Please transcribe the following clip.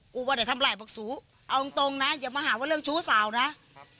ว่าเดี๋ยวทำลายบอกสูเอาจริงตรงนะอย่ามาหาว่าเรื่องชู้สาวนะครับ